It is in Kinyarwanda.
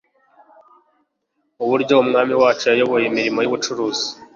uburyo Umwami wacu yayobora imirimo y'ubucuruzi.